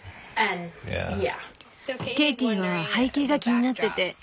ケイティは背景が気になってて。